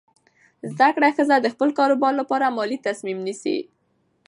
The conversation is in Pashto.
زده کړه ښځه د خپل کاروبار لپاره مالي تصمیم نیسي.